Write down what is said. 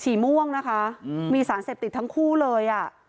ม่วงนะคะมีสารเสพติดทั้งคู่เลยอ่ะ